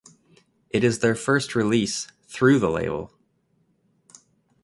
It is their first release through the label.